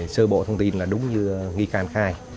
sơ bộ thông tin là đúng như nghi can khai